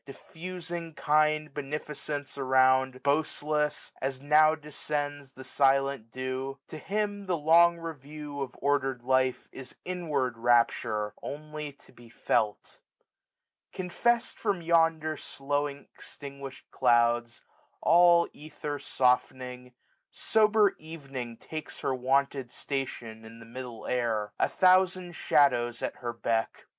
Diffusing kind beneficence around, Boastless, as now descends the silent dew } To him the long review of order'd life Is inward rapture, only to be felt. ^ 1645 CoNFESs'd from yonder slow extinguish'd clouds. All ether softening, sober Evening takes Her wonted station in the middle air ; A thousand shadows at her beck.